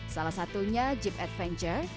salah satunya jeep adventure